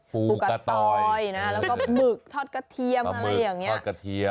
ปูกะตอยแล้วก็หมึกทอดกระเทียมอะไรอย่างนี้